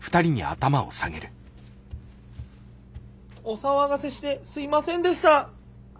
お騒がせしてすいませんでした。